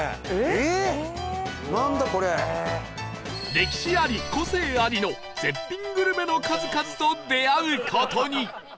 歴史あり個性ありの絶品グルメの数々と出会う事に